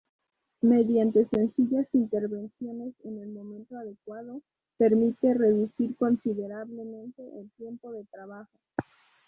Mediante sencillas intervenciones en el momento adecuado, permite reducir considerablemente el tiempo de trabajo.